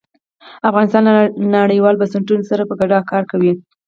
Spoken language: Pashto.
افغانستان له نړیوالو بنسټونو سره په ګډه کار کوي.